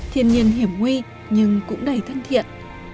thiên nhiên hiểm nguy nhưng cũng đầy thân thiện